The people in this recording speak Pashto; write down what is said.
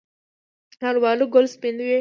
د الوبالو ګل سپین وي؟